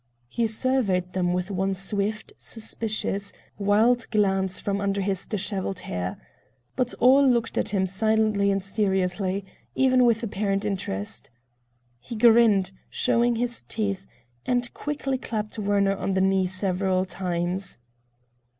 He surveyed them all with one swift, suspicious, wild glance from under his disheveled hair. But all looked at him silently and seriously, even with apparent interest. He grinned, showing his teeth, and quickly clapped Werner on the knee several times.